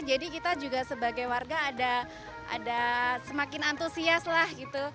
jadi kita sebagai warga ada semakin antusias lah gitu